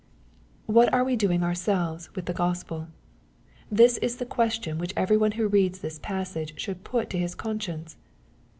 What are we doing ourselves with the Gospel ? This is the question which every one who reads this passage should put to his conscience.